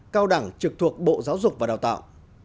cao đẳng trực thuộc bộ giáo dục và đào tạo